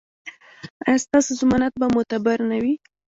ایا ستاسو ضمانت به معتبر نه وي؟